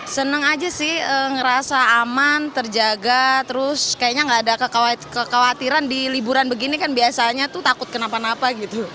seneng aja sih ngerasa aman terjaga terus kayaknya nggak ada kekhawatiran di liburan begini kan biasanya tuh takut kenapa napa gitu